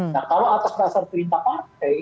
nah kalau atas dasar perintah partai